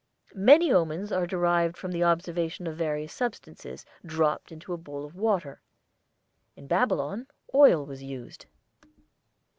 Many omens are derived from the observation of various substances dropped into a bowl of water. In Babylon oil was used.